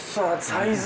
サイズ